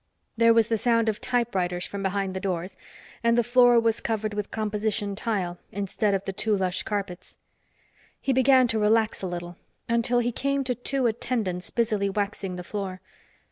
There was the sound of typewriters from behind the doors, and the floor was covered with composition tile, instead of the too lush carpets. He began to relax a little until he came to two attendants busily waxing the floor.